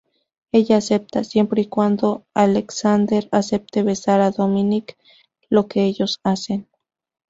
Ella acepta, siempre y cuando Aleksander acepte besar a Dominik, lo que ellos hacen.